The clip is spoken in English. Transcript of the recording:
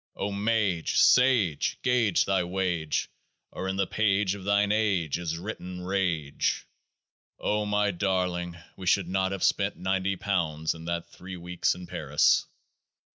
O Mage ! Sage ! Gauge thy Wage, or in the Page of Thine Age is written Rage ! O my darling ! We should not have spent Ninety Pounds in that Three Weeks in Paris